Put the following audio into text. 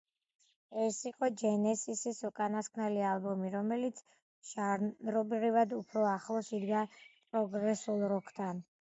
ეს იყო ჯენესისის უკანასკნელი ალბომი, რომელიც ჟანრობრივად უფრო ახლოს იდგა პროგრესულ როკთან.